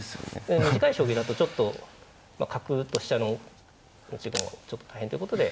ええ短い将棋だとちょっと角と飛車の持ち駒はちょっと大変ということで。